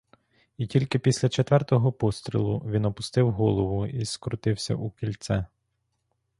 І тільки після четвертого пострілу він опустив голову й скрутився у кільце.